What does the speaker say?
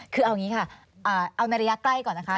คือเอาอย่างนี้ค่ะเอาในระยะใกล้ก่อนนะคะ